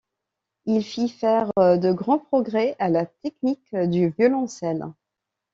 Il fit faire de grands progrès à la technique du violoncelle.